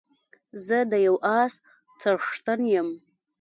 زه د يو اس څښتن يم